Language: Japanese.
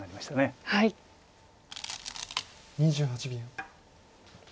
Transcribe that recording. ２８秒。